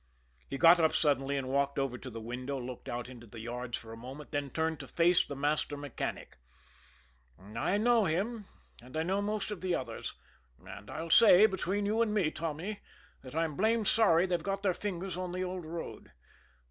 He got up suddenly and walked over to the window, looked out into the yards for a moment, then turned to face the master mechanic. "I know him, and I know most of the others; and I'll say, between you and me, Tommy, that I'm blamed sorry they've got their fingers on the old road.